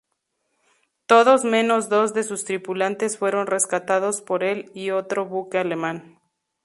Todos menos dos de sus tripulantes fueron rescatados por el y otro buque alemán.